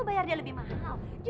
berhubungan dengan dia